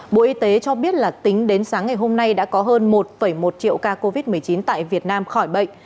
bộ y tế cho biết là tính đến sáng ngày hôm nay đã có hơn một một triệu ca covid một mươi chín tại việt nam khỏi bệnh